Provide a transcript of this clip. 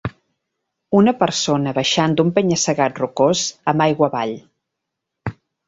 Una persona baixant d'un penya-segat rocós amb aigua avall